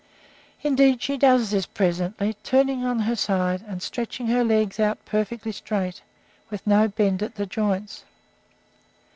Indeed, she does this presently, turning on her side, and stretching her legs out perfectly straight, with no bend at the joints.